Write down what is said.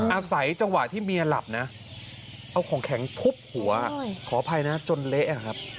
อาศัยจังหวะที่เมียหลับนะเอาของแข็งทุบหัวขออภัยนะจนเละครับ